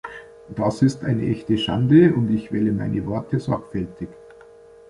Dass ist eine echte Schande und ich wähle meine Worte sorgfältig.